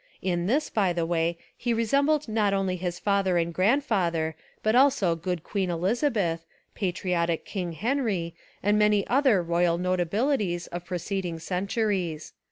In this, by the way, he resembled not only his father and grandfather, but also good Queen Elizabeth, patriotic King Henry, and many other royal notabilities of preceding cen turies.